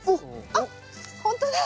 あっ本当だ！